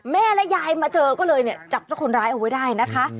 แม่และยายมาเจอก็เลยเนี่ยจับเจ้าคนร้ายเอาไว้ได้นะคะ